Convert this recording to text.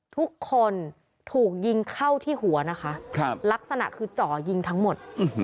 ทุกคนถูกยิงเข้าที่หัวนะคะลักษณะคือจ่อยิงทั้งหมด